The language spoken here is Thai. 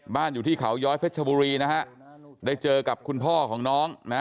อยู่ที่เขาย้อยเพชรชบุรีนะฮะได้เจอกับคุณพ่อของน้องนะ